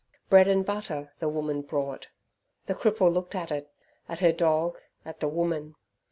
Bread and butter the woman brought. The cripple looked at it, at her dog, at the woman.